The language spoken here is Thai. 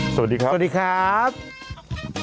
สวัสดีครับค่ะค่ะค่ะ